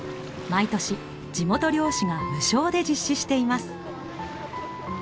毎年地元漁師が無償で実施しています。